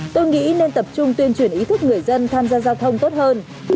tôi nghĩ nên tập trung tuyên truyền ý thức người dân tham gia giao thông tốt hơn